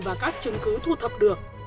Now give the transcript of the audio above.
và các chứng cứ thu thập được